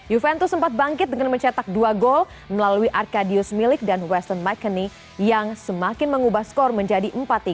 juventus sempat bangkit dengan mencetak dua gol melalui arcadius milik dan western mcanney yang semakin mengubah skor menjadi empat tiga